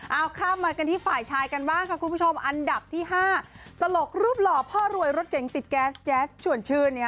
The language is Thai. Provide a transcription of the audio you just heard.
เอาข้ามมากันที่ฝ่ายชายกันบ้างค่ะคุณผู้ชมอันดับที่๕ตลกรูปหล่อพ่อรวยรถเก๋งติดแก๊สแจ๊สชวนชื่น